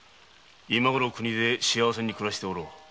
今ごろは故郷で幸せに暮らしておろう。